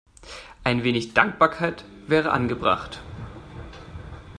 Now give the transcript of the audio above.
Ein wenig Dankbarkeit wäre angebracht.